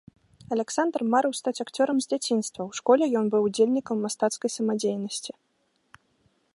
Аляксандр марыў стаць акцёрам з дзяцінства, у школе ён быў удзельнікам мастацкай самадзейнасці.